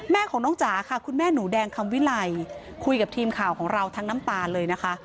แม่ของน้องจ๋าค่ะคุณแม่หนูแดงคำวิไลคุยกับทีมข่าวของเราทั้งน้ำตาเลยนะคะ